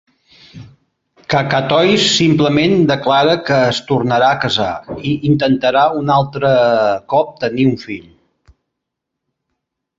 Cacatois simplement declara que es tornarà a casar i intentarà un altre cop tenir un fill.